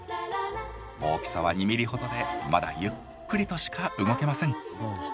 大きさ２ｍｍほどでまだゆっくりとしか動けません。